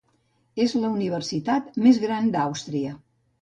És la universitat més gran d'Àustria.